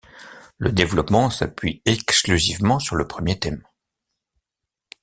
Le développement s'appuie exclusivement sur le premier thème.